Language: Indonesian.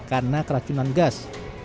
karena keracunan gas